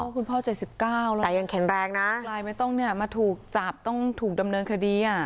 คุณพ่อเจ็ดสิบเก้าแต่ยังแข็งแรงนะอะไรไม่ต้องเนี่ยมาถูกจับต้องถูกดำเนินคดีอ่ะ